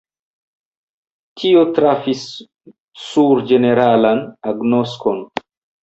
Tio trafis sur ĝeneralan agnoskon.